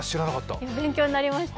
勉強になりました。